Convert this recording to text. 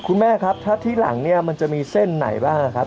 คุณแม่ครับถ้าที่หลังเนี่ยมันจะมีเส้นไหนบ้างครับ